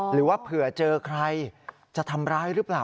หรือว่าเผื่อเจอใครจะทำร้ายหรือเปล่า